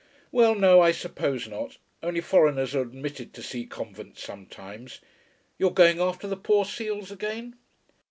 "Well, no, I suppose not. Only foreigners are admitted to see convents sometimes. You're going after the poor seals again?"